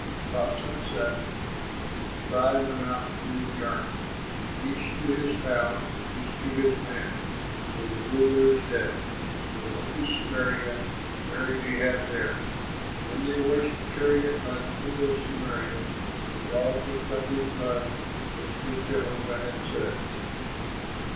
About sunset the cry went out through the army, "Each to his town and each to his land, for the ruler is dead!" So they went to Samaria and buried Ahab there. And when they washed the chariot by the pool of Samaria, the dogs licked up his blood just as Jehovah had said.